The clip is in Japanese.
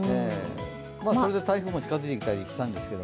それで台風も近づいてきたりしたんですけど。